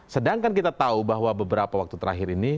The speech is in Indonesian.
sedangkan kita tahu bahwa beberapa waktu terakhir ini